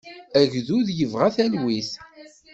Agdud yebɣa talwit.